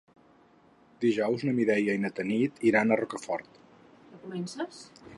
Dijous na Mireia i na Tanit iran a Rocafort.